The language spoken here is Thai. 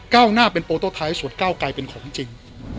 ก้าวหน้าเป็นโปรโต้ท้ายส่วนก้าวไกลเป็นของจริง